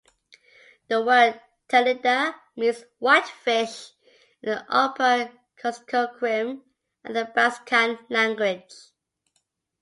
The word "Telida" means 'whitefish' in the Upper Kuskokwim Athabaskan language.